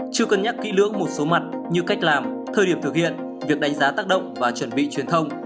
chưa cân nhắc kỹ lưỡng một số mặt như cách làm thời điểm thực hiện việc đánh giá tác động và chuẩn bị truyền thông